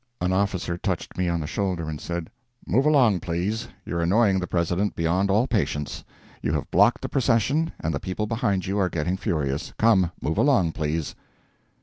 An officer touched me on the shoulder and said: "Move along, please; you're annoying the President beyond all patience. You have blocked the procession, and the people behind you are getting furious. Come, move along, please."